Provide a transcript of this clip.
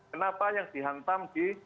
kenapa yang dihantam di